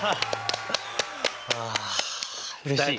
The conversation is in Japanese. あうれしい！